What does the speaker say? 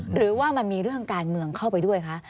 หรือว่ามันมีเรื่องการเมืองเข้าไปด้วยคะ